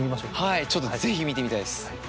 はいぜひ見てみたいです。